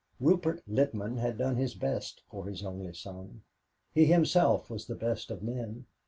Rupert Littman had done his best for his only son. He himself was the best of men.